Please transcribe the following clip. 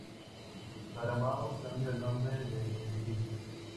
Paramount cambió el nombre del edificio.